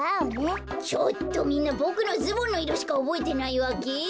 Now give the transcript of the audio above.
みんなボクのズボンのいろしかおぼえてないわけ！？